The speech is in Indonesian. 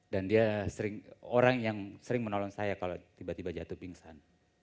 dan dia orang yang sering menolong saya kalau tiba tiba jatuh pingsan